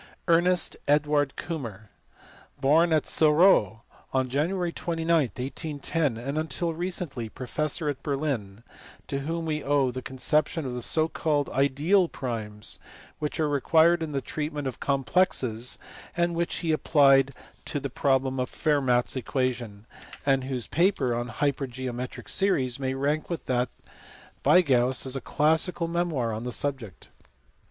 Ernest Edward Kummer, born at Sorau on Jan. 29, 1810, and until recently professor at Berlin (see below, p. 477), to whom we owe the conception of the so called ideal primes, which are required in the treatment of complexes, and which he applied to the problem of Fermat s equation ; and whose 462 THE THEORY OF NUMBERS. paper on hypergeometric series may rank with that by Gauss as a classical memoir on the subject.